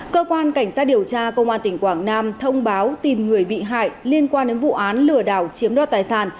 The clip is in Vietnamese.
cơ quan cảnh sát điều tra công an tỉnh quảng nam thông báo tìm người bị hại liên quan đến vụ án lừa đảo chiếm đoạt tài sản